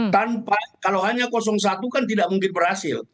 tanpa kalau hanya satu kan tidak mungkin berhasil